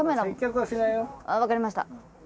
分かりました。